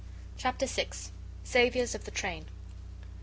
Chapter VI. Saviours of the train.